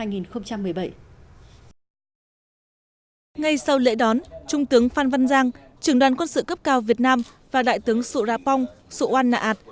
ngay sau lễ đón trung tướng phan văn giang trường đoàn quân sự cấp cao việt nam và đại tướng sụ rạpong sụ wan nạ ảt